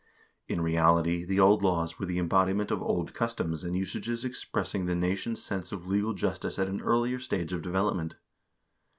In reality the old laws were the embodiment of old customs and usages express ing the nation's sense of legal justice at an earlier stage of develop ment.